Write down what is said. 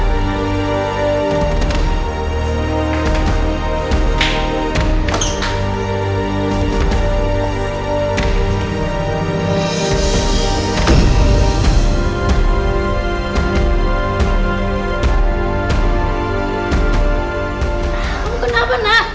kamu kenapa nak